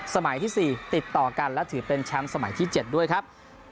สมัยที่๔ติดต่อกันและถือเป็นแชมป์สมัยที่๗ด้วยครับ